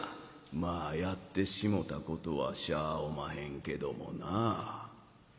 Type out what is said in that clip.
「まあやってしもたことはしゃあおまへんけどもな。